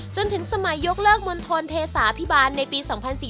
จนถึงสมัยยกเลิกมณฑลเทศาพิบาลในปี๒๔๔